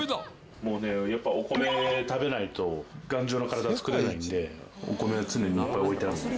もうねやっぱお米食べないと頑丈な体作れないんでお米は常にいっぱい置いてあるんです。